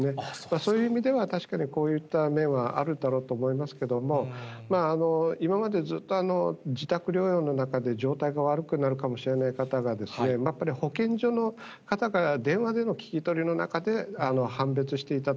そういう意味では確かにこういった面はあるだろうと思いますけれども、今までずっと自宅療養の中で、状態がだんだん悪くなるかもしれない方が、やっぱり保健所の方から電話での聞き取りの中で判別していたと。